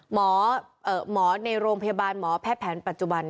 หมอในโรงพยาบาลหมอแพทย์แผนปัจจุบัน